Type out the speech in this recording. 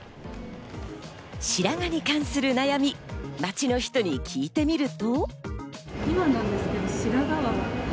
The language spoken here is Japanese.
白髪に関する悩み、街の人に聞いてみると。